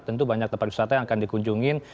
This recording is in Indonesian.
tentu banyak tempat wisata yang akan dikunjungi